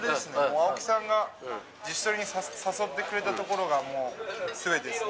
青木さんが自主トレに誘ってくれたところが、もうすべてですね。